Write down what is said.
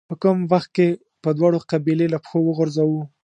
په کم وخت کې به دواړه قبيلې له پښو وغورځوو.